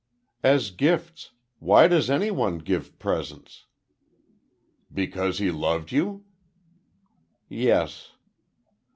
"As gifts. Why does any one give presents?" "Because he loved you?" "Yes."